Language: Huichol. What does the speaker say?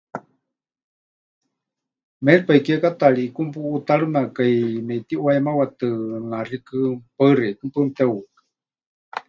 Méripai kiekátaari ʼikú mepuʼuutárɨmekai meʼitiʼuayemawatɨ naxíkɨ, paɨ xeikɨ́a, paɨ mepɨteʼuhukai.